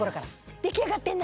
出来上がってんな。